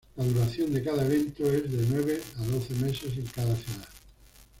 La duración de cada evento es de nueve a doce meses en cada ciudad.